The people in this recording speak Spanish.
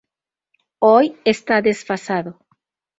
Hoy está desfasado.